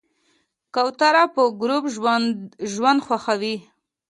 کوتره په ګروپ ژوند خوښوي.